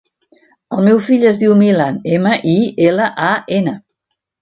El meu fill es diu Milan: ema, i, ela, a, ena.